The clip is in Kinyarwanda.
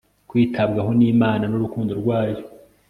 Kwitabwaho nImana n urukundo rwayo